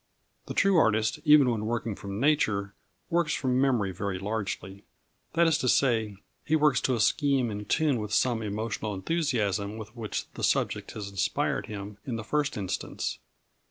The true artist, even when working from nature, works from memory very largely. That is to say, he works to a scheme in tune to some emotional enthusiasm with which the subject has inspired him in the first instance.